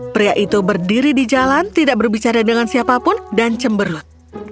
pria itu berdiri di jalan tidak berbicara dengan siapapun dan cemberut